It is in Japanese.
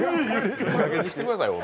いいかげんにしてください。